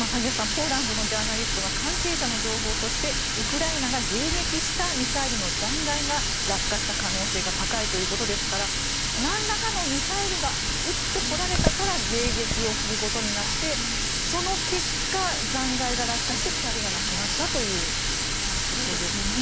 ポーランドのジャーナリストが関係者の情報としてウクライナが迎撃したミサイルの残骸が落下した可能性が高いということですからなんらかのミサイルが撃ってこられたから迎撃をすることになってその結果、残骸が落下して２人が亡くなったということですね。